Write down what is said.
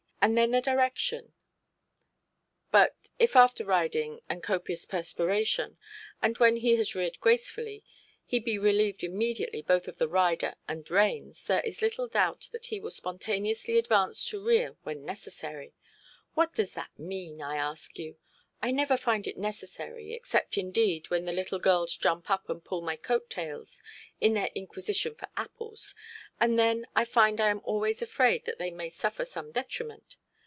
And then the direction—ʼbut if after riding, and copious perspiration, and when he has reared gracefully, he be relieved immediately both of the rider and reins, there is little doubt that he will spontaneously advance to rear when necessary'. What does that mean, I ask you? I never find it necessary, except, indeed, when the little girls jump up and pull my coat–tails, in their inquisition for apples, and then I am always afraid that they may suffer some detriment.